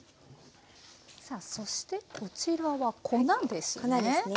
そしてこちらは粉ですね。